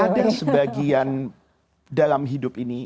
ada sebagian dalam hidup ini